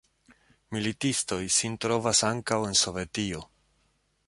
Militistoj sin trovas ankaŭ en Sovetio.